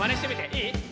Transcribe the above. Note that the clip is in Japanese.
いい？